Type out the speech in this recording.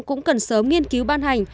cũng cần sớm nghiên cứu ban hành